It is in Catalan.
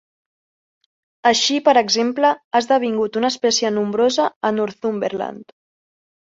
Així, per exemple, ha esdevingut una espècie nombrosa a Northumberland.